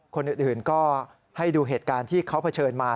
คนอื่นก็ให้ดูเหตุการณ์ที่เขาเผชิญมา